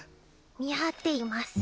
見張っていマス。